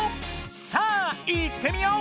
さあいってみよう！